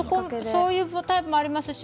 そういうタイプもありますし